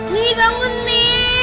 mami bangun mami